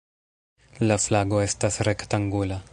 La flago estas rektangula.